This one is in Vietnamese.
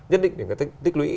nhất định để tích lũy